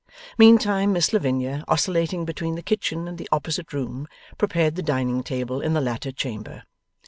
Meantime Miss Lavinia, oscillating between the kitchen and the opposite room, prepared the dining table in the latter chamber.